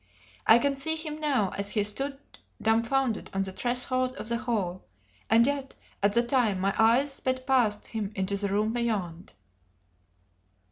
I can see him now as he stood dumfounded on the threshold of the hall; and yet, at the time, my eyes sped past him into the room beyond.